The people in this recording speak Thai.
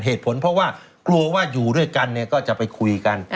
เหตุผลเพราะว่ากลัวว่าอยู่ด้วยกันเนี่ยก็จะไปคุยกัน